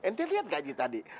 ntar liat ga ji tadi